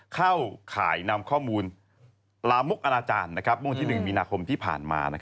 เข้าข่ายนำข้อมูลลามุกอาจารย์ม๑มีนาคมที่ผ่านมา